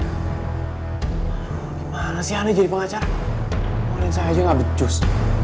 gimana sih anda jadi pengacara warin saya aja gak becus